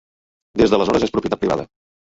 Des d'aleshores és propietat privada.